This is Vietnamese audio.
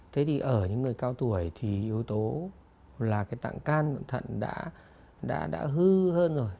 thế thì ở những người cao tuổi thì yếu tố là cái tạng can và tạng thận đã hư hơn rồi